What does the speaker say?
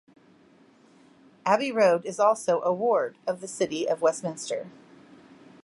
Abbey Road is also a ward of the City of Westminster.